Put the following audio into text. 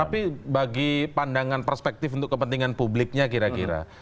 tapi bagi pandangan perspektif untuk kepentingan publiknya kira kira